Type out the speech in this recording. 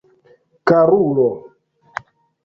Karulo!